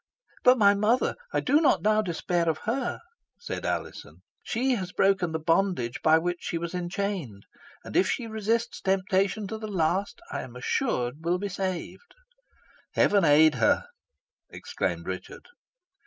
"But my mother I do not now despair of her," said Alizon. "She has broken the bondage by which she was enchained, and, if she resists temptation to the last, I am assured will be saved." "Heaven aid her!" exclaimed Richard.